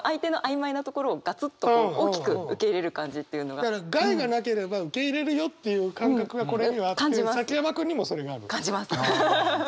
だから害がなければ受け入れるよっていう感覚がこれにはあって崎山君にもそれがある。